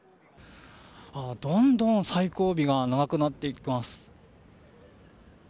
どんどん最後尾が長くなっていきます。